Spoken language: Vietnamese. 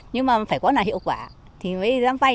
nhưng mà phải có nào hiệu quả thì mới dám vay